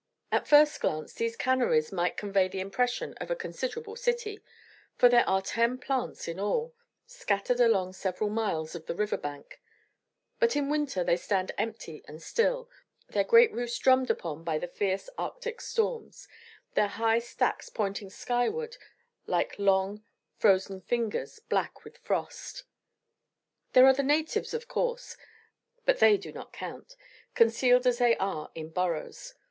At first glance these canneries might convey the impression of a considerable city, for there are ten plants, in all, scattered along several miles of the river bank; but in winter they stand empty and still, their great roofs drummed upon by the fierce Arctic storms, their high stacks pointing skyward like long, frozen fingers black with frost. There are the natives, of course, but they do not count, concealed as they are in burrows.